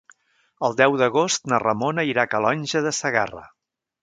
El deu d'agost na Ramona irà a Calonge de Segarra.